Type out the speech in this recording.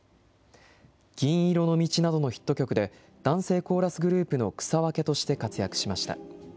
銀色の道などのヒット曲で男性コーラスグループの草分けとして活躍しました。